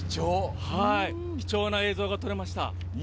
貴重な映像が撮れました。